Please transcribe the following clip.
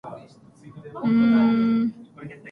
I cannot hear you!